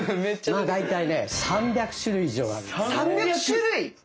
まあ大体ね３００種類以上ある。